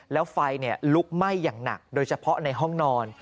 แล้วไฟลุกไหม้อย่างหนักโดยเฉพาะในห้องนอน